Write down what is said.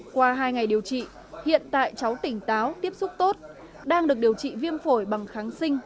qua hai ngày điều trị hiện tại cháu tỉnh táo tiếp xúc tốt đang được điều trị viêm phổi bằng kháng sinh